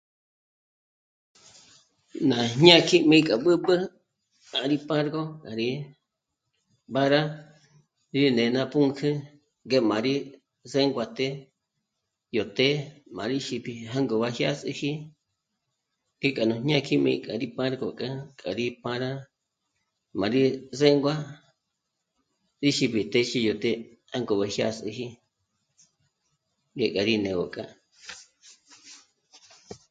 Ná jñá kijmi k'a b'ǚb'ü pa rí pàrgo à rí mbára te ne ná pǔnkjü ngé má rí zénguaté yó të́'ë má rí xípi jângob'a jyás'üji, ngé k'a nú jñákíjmi k'a rí párgoga k'a rí para má rí zéngua téxeb'e téxi yó të́'ë jângob'a jyás'üji ngé gá rí né'egö kja